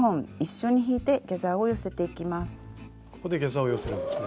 ここでギャザーを寄せるんですね。